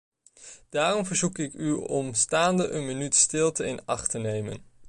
Daarom verzoek ik u om staande een minuut stilte in acht te nemen.